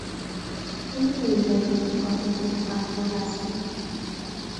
آیا حیوانات قادر به تفکر هستند؟